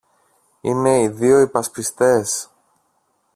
Είναι οι δυο υπασπιστές